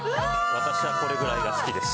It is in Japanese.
私はこれぐらいが好きです。